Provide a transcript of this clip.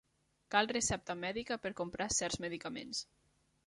Cal recepta mèdica per comprar certs medicaments.